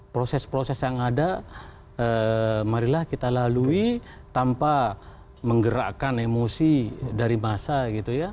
proses proses yang ada marilah kita lalui tanpa menggerakkan emosi dari masa gitu ya